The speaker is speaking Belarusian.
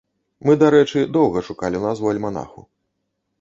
Мы, дарэчы, доўга шукалі назву альманаху.